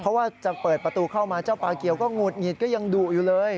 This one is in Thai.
เพราะว่าจะเปิดประตูเข้ามาเจ้าปลาเกียวก็หุดหงิดก็ยังดุอยู่เลย